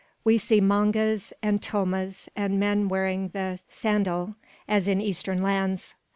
We see mangas and tilmas, and men wearing the sandal, as in Eastern lands.